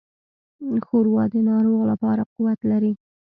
ښوروا د ناروغ لپاره قوت لري.